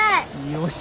よし。